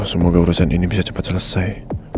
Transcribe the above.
semoga urusan ini bisa cepat selesai